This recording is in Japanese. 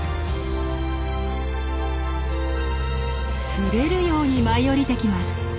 滑るように舞い降りてきます。